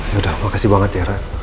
yaudah makasih banget ya rak